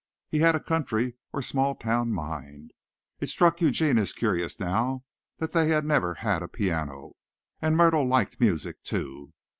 He had a country or small town mind. It struck Eugene as curious now, that they had never had a piano. And Myrtle liked music, too.